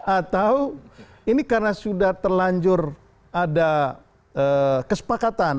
atau ini karena sudah terlanjur ada kesepakatan